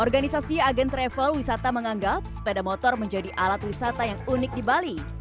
organisasi agen travel wisata menganggap sepeda motor menjadi alat wisata yang unik di bali